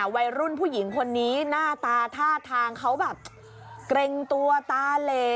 วัยรุ่นผู้หญิงคนนี้หน้าตาท่าทางเขาแบบเกรงตัวตาเหล